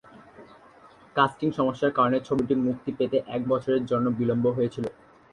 Casting সমস্যার কারণে ছবিটি মুক্তি পেতে এক বছরের জন্য বিলম্ব হয়েছিল।